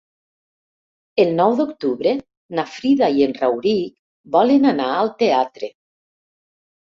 El nou d'octubre na Frida i en Rauric volen anar al teatre.